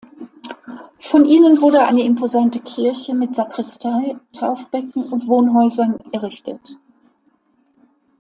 Von ihnen wurde eine imposante Kirche mit Sakristei, Taufbecken und Wohnhäusern errichtet.